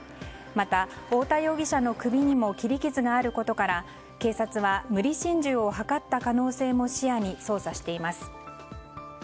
また、太田容疑者の首にも切り傷があることから警察は無理心中を図った可能性も視野に捜査を進めています。